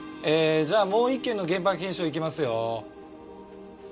ええじゃあもう一件の現場検証いきますよ。